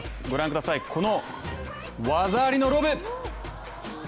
御覧ください、この技ありのロブ。